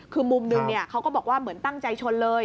คือมุมหนึ่งเขาก็บอกว่าเหมือนตั้งใจชนเลย